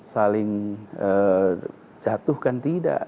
saling jatuh kan tidak